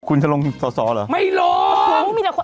คุณจะลงสอสอเหรอไม่ลง